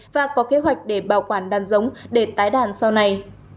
và có kế hoạch để bảo quản đàn giống để tái đàn sau này